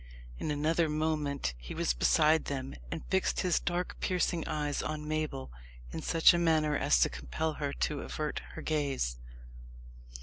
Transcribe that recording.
In another moment he was beside them, and fixed his dark piercing eyes on Mabel in such a manner as to compel her to avert her gaze.